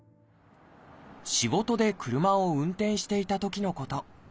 仕事で車を運転していたときのこと。